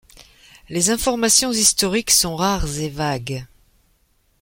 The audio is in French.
Les informations historiques sont rares et vagues.